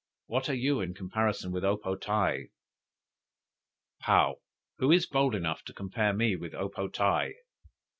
What are you in comparison with O po tae?'" "Paou. 'Who is bold enough to compare me with O po tae?'"